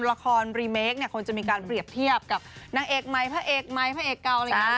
ละครรีเมคเนี่ยคนจะมีการเปรียบเทียบกับนางเอกใหม่พระเอกใหม่พระเอกเก่าอะไรอย่างนี้